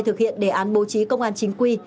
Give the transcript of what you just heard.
thực hiện đề án bố trí công an chính quy